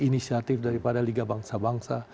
inisiatif daripada liga bangsa bangsa